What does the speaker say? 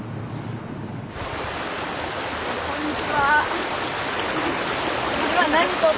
こんにちは。